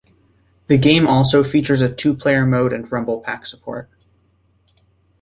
The game also features a two-player mode and rumble pack support.